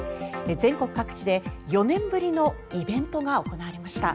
全国各地で４年ぶりのイベントが行われました。